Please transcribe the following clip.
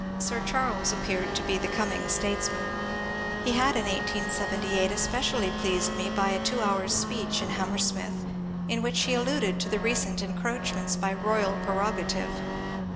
Sir Charles appeared to be the coming statesman. He had in 1878 especially pleased me by a two hours' speech in Ham mersmith in which he alluded to recent encroachments by " royal prerogative."